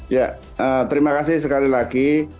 ya terima kasih sekali lagi